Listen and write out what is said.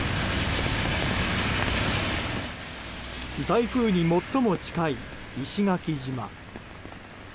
台風に最も近い石垣島。